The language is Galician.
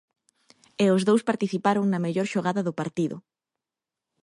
E os dous participaron na mellor xogada do partido.